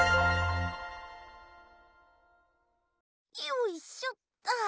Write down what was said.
よいしょっ。